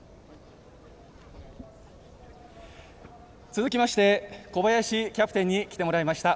続きまして小林キャプテンに来てもらいました。